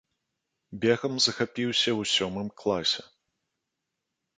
Бегам захапіўся ў сёмым класе.